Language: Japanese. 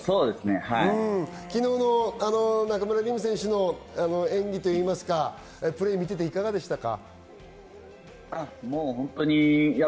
昨日の中村輪夢選手のプレーを見ていていかがでしたか？